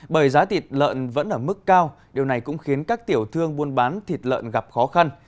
bởi giá thịt lợn vẫn ở mức cao điều này cũng khiến các tiểu thương buôn bán thịt lợn gặp khó khăn